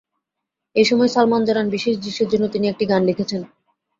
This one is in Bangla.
এ সময় সালমান জানান, বিশেষ দৃশ্যের জন্য তিনি একটি গান লিখেছেন।